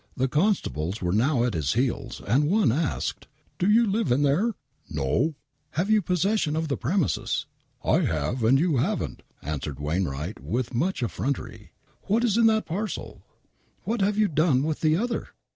The constables were now at his heels, and one asked : "Do you live in there ?"" No I" " Have you possession of the premises ?"" I have, and you haven't," answered Wainwright with much effrontery. " What's in that parcel ?"" What have you done with the other